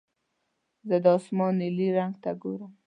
زه د اسمان نیلي رنګ ته ګورم.